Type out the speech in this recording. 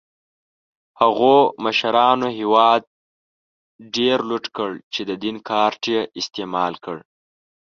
هغو مشرانو هېواد زیات لوټ کړ چې د دین کارت یې استعمال کړ.